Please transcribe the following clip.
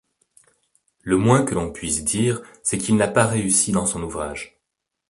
Le moins que l’on puisse dire, c’est qu’il n’a pas réussi dans son ouvrage.